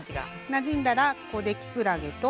なじんだらここできくらげと。